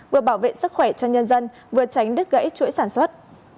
vừa bảo vệ sức khỏe cho nhân dân vừa tránh đứt gãy chuỗi sản xuất